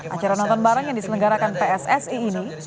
acara nonton bareng yang diselenggarakan pssi ini